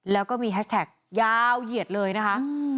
แล้วก็มีแฮชแท็กยาวเหยียดเลยนะคะ